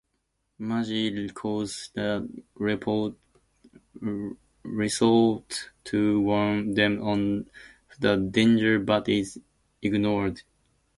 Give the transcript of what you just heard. Maggie calls the resort to warn them of the danger but is ignored.